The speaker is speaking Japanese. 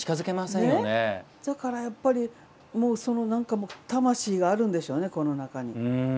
だから、やっぱり魂があるんでしょうね、この中に。